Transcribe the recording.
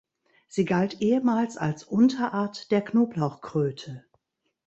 Sie galt ehemals als Unterart der Knoblauchkröte.